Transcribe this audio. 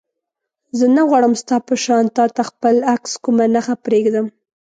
زه نه غواړم ستا په شان تا ته خپل عکس کومه نښه پرېږدم.